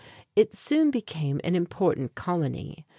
It soon became an important colony.